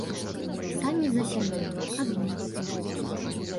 Самі за сябе, адны.